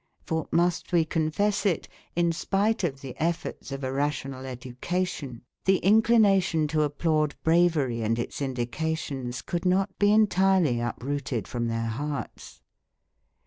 For must we confess it, in spite of the efforts of a rational education, the inclination to applaud bravery and its indications could not be entirely uprooted from their hearts.